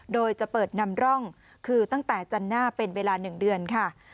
โดยจะเปิดนำร่องคือตั้งแต่จันทร์หน้าเป็นเวลา๑เดือนค่ะ